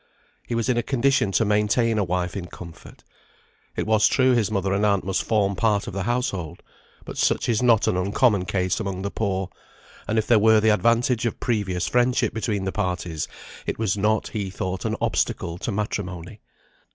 He was in a condition to maintain a wife in comfort. It was true his mother and aunt must form part of the household; but such is not an uncommon case among the poor, and if there were the advantage of previous friendship between the parties, it was not, he thought, an obstacle to matrimony.